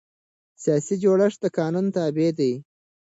سیاسي جوړښت د قانون تابع دی